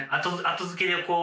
後付けでこう。